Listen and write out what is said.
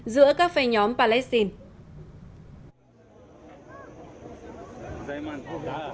giữa các phê nhóm palestine